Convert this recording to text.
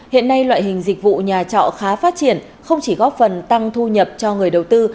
hiện nay loại hình dịch vụ nhà trọ khá phát triển không chỉ góp phần tăng thu nhập cho người đầu tư